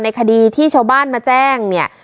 คดีที่ชาวบ้านมาแจ้งเนี่ย